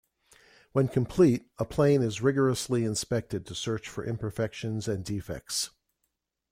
When complete, a plane is rigorously inspected to search for imperfections and defects.